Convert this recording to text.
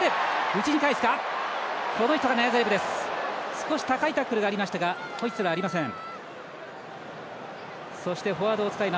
少し高いタックルがありましたがホイッスルありません。